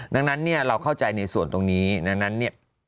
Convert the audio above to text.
ดังนั้นเนี่ยเราเข้าใจในส่วนตรงนี้ดังนั้นเนี่ย